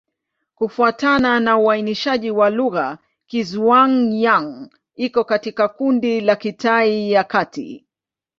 Kufuatana na uainishaji wa lugha, Kizhuang-Yang iko katika kundi la Kitai ya Kati.